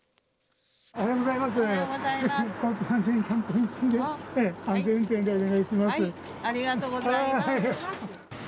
おはようございます。